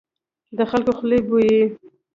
د خلکو خولې بويي.